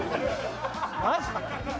マジ？